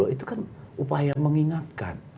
itu kan upaya mengingatkan